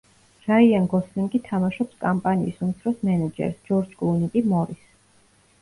რაიან გოსლინგი თამაშობს კამპანიის უმცროს მენეჯერს, ჯორჯ კლუნი კი მორისს.